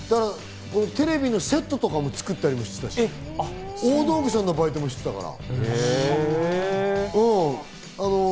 テレビのセットとかも作ったりしたし、大道具さんのバイトもしてたから。